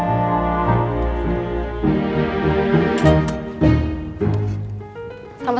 terima kasih mbak